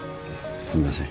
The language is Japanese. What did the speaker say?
すみません。